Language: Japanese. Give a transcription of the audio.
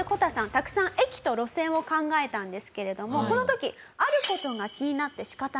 たくさん駅と路線を考えたんですけれどもこの時ある事が気になって仕方がありませんでした。